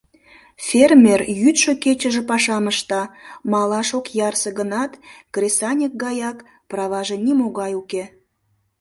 Фермер йӱдшӧ-кечыже пашам ышта, малаш ок ярсе гынат, кресаньык гаяк, праваже нимогай уке.